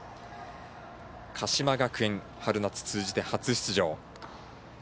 鹿島学園、春夏通じて初出場。